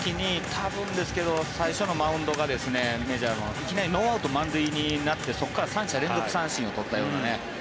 ２０１０年の時に多分ですけど最初のマウンドがいきなりノーアウト満塁になってそこから３者連続三振を取ったような。